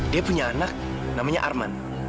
dia punya anak namanya arman